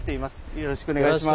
よろしくお願いします。